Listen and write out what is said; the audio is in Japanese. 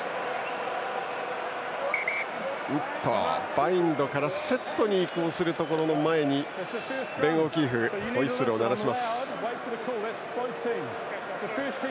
バインドからセットに移行する前にベン・オキーフホイッスルを鳴らしました。